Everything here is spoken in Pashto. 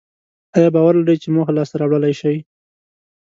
ایا باور لرئ چې موخه لاسته راوړلای شئ؟